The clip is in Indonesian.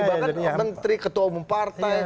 bahkan menteri ketua umum partai